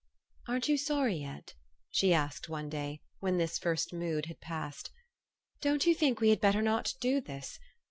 "Aren't you sorry yet? "she asked one day, when this first mood had passed. u Don't you think we had better not do this